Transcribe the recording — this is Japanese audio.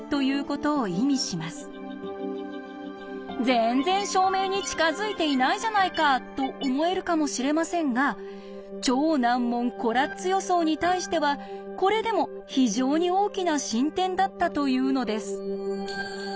全然証明に近づいていないじゃないかと思えるかもしれませんが超難問コラッツ予想に対してはこれでも非常に大きな進展だったというのです。